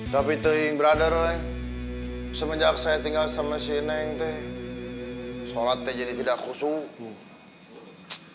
tapi itu yang brother semenjak saya tinggal sama si neng sholatnya jadi tidak khusus